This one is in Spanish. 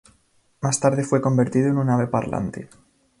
Más tarde fue convertido en un ave parlante.